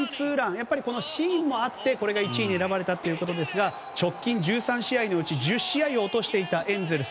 やっぱりこのシーンもあって１位に選ばれたということですが直近１３試合のうち１０試合を落としていたエンゼルス